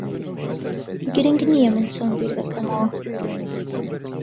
گرنگ نییە من چۆن بیر دەکەمەوە.